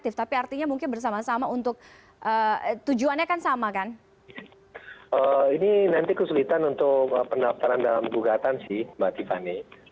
ini nanti kesulitan untuk pendaftaran dalam gugatan sih mbak tiffany